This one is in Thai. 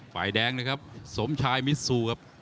ฝ่ายแดงนะครับสมชายมิซูครับ